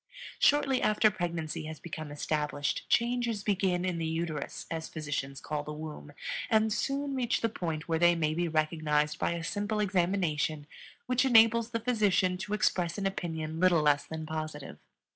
Shortly after pregnancy has become established changes begin in the uterus, as physicians call the womb, and soon reach the point where they may be recognized by a simple examination which enables the physician to express an opinion little less than positive.